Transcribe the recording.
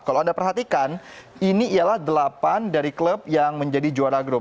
kalau anda perhatikan ini ialah delapan dari klub yang menjadi juara grup